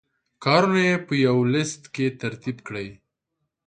کارونه یې په یوه لست کې ترتیب کړئ.